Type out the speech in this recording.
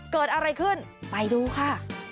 เกิดอะไรขึ้นไปดูค่ะ